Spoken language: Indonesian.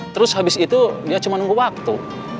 terus habis itu dia cuma nunggu waktu